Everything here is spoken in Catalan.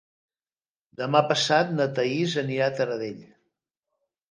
Demà passat na Thaís anirà a Taradell.